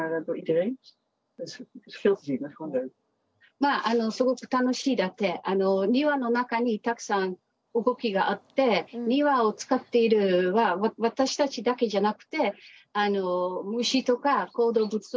まあすごく楽しいだって庭の中にたくさん動きがあって庭を使っているのは私たちだけじゃなくてあの虫とか動物とかも使っていますね。